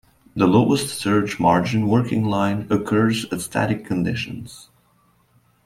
The lowest surge margin working line occurs at static conditions.